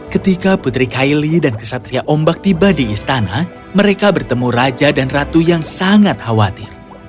ketika putri kylie dan kesatria ombak tiba di istana mereka bertemu raja dan ratu yang sangat khawatir